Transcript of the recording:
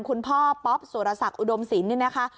คุณพ่อป๊อปสุรสักอุดมศิลป์นี่นะคะ